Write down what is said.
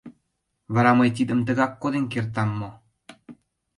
Вара мый тидым тыгак коден кертам мо?